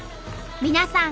皆さん